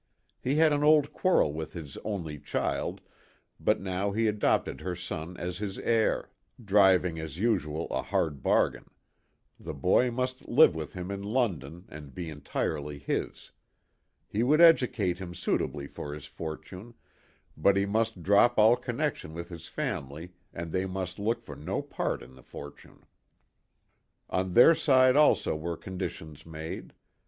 He had an old quarrel with his only THE TWO WILLS. 123 child, but now he adopted her son as his heir driving as usual a hard bargain ; the boy must live with him in London and be entirely his ; he would educate him suitably for his fortune, but he must drop all connection with his family and they must look for no part in the fortune. On their side also were conditions made.